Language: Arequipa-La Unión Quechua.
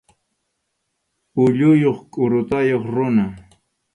Ulluyuq qʼurutayuq runa.